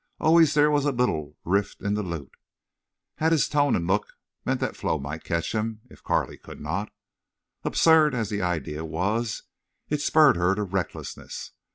Always there was a little rift in the lute. Had his tone and look meant that Flo might catch him if Carley could not? Absurd as the idea was, it spurred her to recklessness.